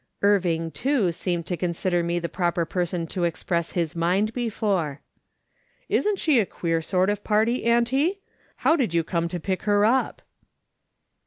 Irving, too, seemed to consider me the proper person to express his mind before. " Isn't she a queer sort of party, auntie ? How came you to pick her up